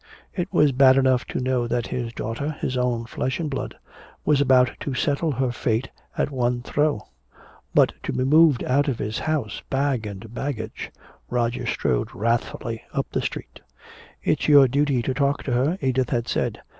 It was bad enough to know that his daughter, his own flesh and blood, was about to settle her fate at one throw. But to be moved out of his house bag and baggage! Roger strode wrathfully up the street. "It's your duty to talk to her," Edith had said.